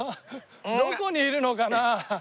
どこにいるのかな？